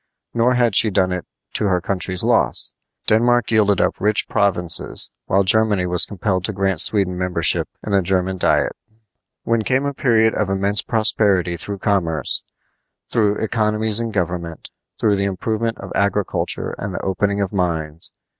Nor had she done it to her country's loss. Denmark yielded up rich provinces, while Germany was compelled to grant Sweden membership in the German diet. Then came a period of immense prosperity through commerce, through economies in government, through the improvement of agriculture and the opening of mines.